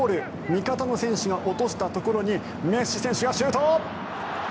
味方の選手が落としたところにメッシ選手がシュート！